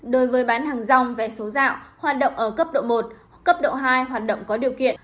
đối với bán hàng rong vé số dạo hoạt động ở cấp độ một cấp độ hai hoạt động có điều kiện